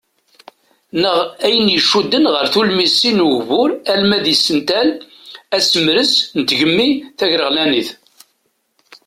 Neɣ ayen iccuden ɣer tulmisin n ugbur ama d isental, asemres n tgemmi ,tagreɣlanit.